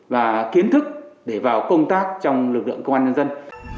và kiến thức để vào công tác trong lực lượng công an nhân dân